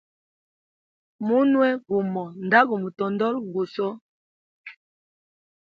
Munwe gumo nda gu mutondola nguso.